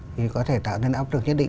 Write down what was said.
thì có thể tạo nên áp lực nhất định